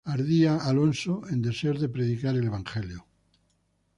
Ardía Alfonso en deseos de predicar el evangelio.